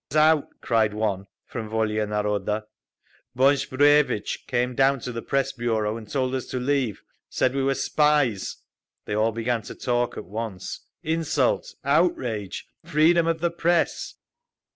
"Threw us out!" cried one, from Volia Naroda. "Bonch Bruevitch came down to the Press Bureau and told us to leave! Said we were spies!" They all began to talk at once: "Insult! Outrage! Freedom of the press!"